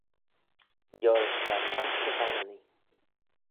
Liorish shiartanse dy Vanninee.